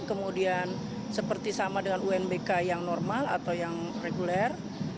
kemudian seperti sama dengan unbk yang normal atau yang reguler